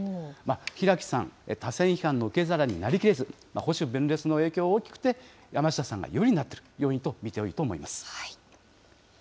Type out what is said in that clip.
平木さん、多選批判の受け皿になりきれず、保守分裂の影響は大きくて、山下さんが有利になっている要因となっていると思います。